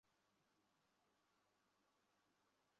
তিনি নিজেও আকন্দবারিয়া ঘাট দিয়ে নদী পার হয়ে টিকারামপুর এলাকায় পৌঁছান।